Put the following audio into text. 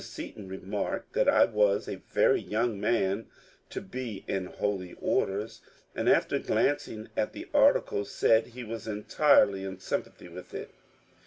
Seaton remarked that I was *^ a very young man to be in holy orders," and after glancing at the article said he was entirely in sympathy with it.